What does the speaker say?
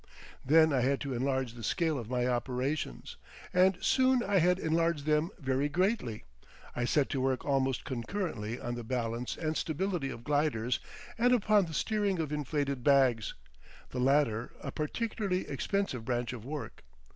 Then I had to enlarge the scale of my operations, and soon I had enlarged them very greatly. I set to work almost concurrently on the balance and stability of gliders and upon the steering of inflated bags, the latter a particularly expensive branch of work.